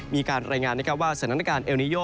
มีการรายงานว่าสถานการณ์เอลนิโย